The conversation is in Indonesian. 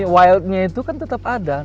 wildnya itu kan tetap ada